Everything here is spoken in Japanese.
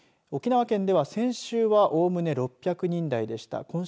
沖縄県では、先週はおおむね６００人台でした。